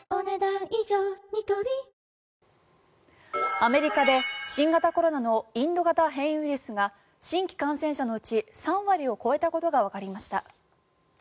アメリカで新型コロナのインド型変異ウイルスが新規感染者のうち３割を超えたことがわかりました。